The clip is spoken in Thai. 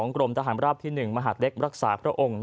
กลมทหารที่๑มหาเด็กรักษาเภร่าองค์